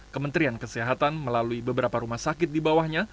kementerian kesehatan melalui beberapa rumah sakit di bawahnya